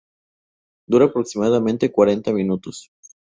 Dura aproximadamente cuarenta minutos.